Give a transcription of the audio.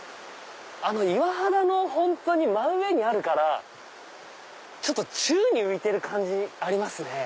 岩肌の本当に真上にあるから宙に浮いてる感じありますね。